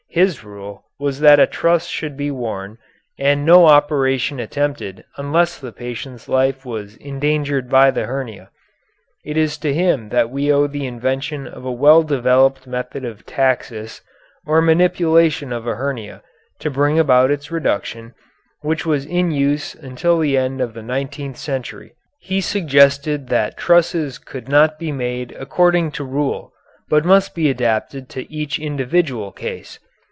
His rule was that a truss should be worn, and no operation attempted unless the patient's life was endangered by the hernia. It is to him that we owe the invention of a well developed method of taxis, or manipulation of a hernia, to bring about its reduction, which was in use until the end of the nineteenth century. He suggested that trusses could not be made according to rule, but must be adapted to each individual case.